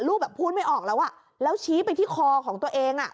แบบพูดไม่ออกแล้วอ่ะแล้วชี้ไปที่คอของตัวเองอ่ะ